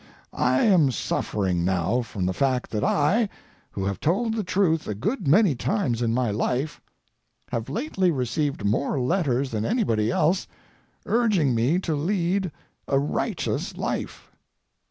I am suffering now from the fact that I, who have told the truth a good many times in my life, have lately received more letters than anybody else urging me to lead a righteous life.